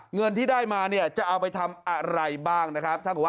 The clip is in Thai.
เงินที่ได้มาเนี่ยจะเอาไปทำอะไรบ้างนะครับ